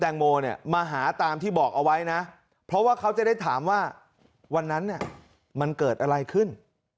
เอาไว้นะเพราะว่าเขาจะได้ถามว่าวันนั้นเนี่ยมันเกิดอะไรขึ้น